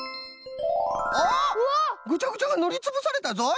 おっぐちゃぐちゃがぬりつぶされたぞい！